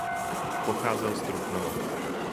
Pocházel z Trutnova.